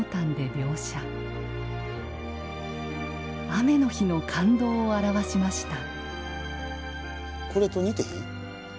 雨の日の感動を表しましたこれと。